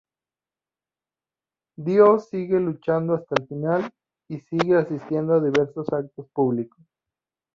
Dio sigue luchando hasta el final y sigue asistiendo a diversos actos públicos.